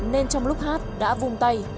nên trong lúc hát đã vuông tay